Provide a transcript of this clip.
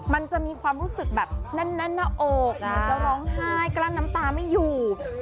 มันจะมีความรู้สึกแบบแน่นหน้าอกจะร้องไห้กลั้นน้ำตาไม่อยู่